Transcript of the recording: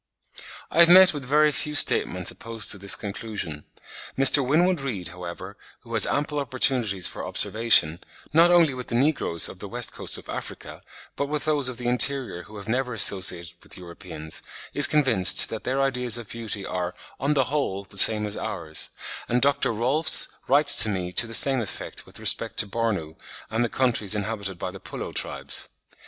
I have met with very few statements opposed to this conclusion. Mr. Winwood Reade, however, who has had ample opportunities for observation, not only with the negroes of the West Coast of Africa, but with those of the interior who have never associated with Europeans, is convinced that their ideas of beauty are ON THE WHOLE the same as ours; and Dr. Rohlfs writes to me to the same effect with respect to Bornu and the countries inhabited by the Pullo tribes.